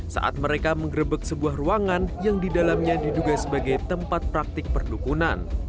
saat mereka mengerebek sebuah ruangan yang didalamnya diduga sebagai tempat praktik perdukunan